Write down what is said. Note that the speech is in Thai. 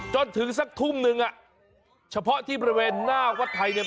จนถึงสักทุ่มนึงอ่ะเฉพาะที่บริเวณหน้าวัดไทยเนี่ย